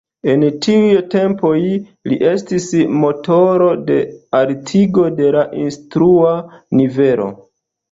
En tiuj tempoj li estis motoro de altigo de la instrua nivelo.